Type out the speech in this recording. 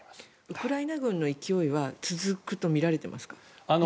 ウクライナ軍の勢いは続くとみられていますか。